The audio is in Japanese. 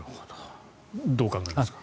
どう考えますか。